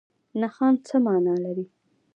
نښان څه مانا لري؟